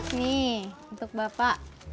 ini untuk bapak